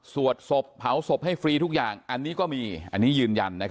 สวดศพเผาศพให้ฟรีทุกอย่างอันนี้ก็มีอันนี้ยืนยัน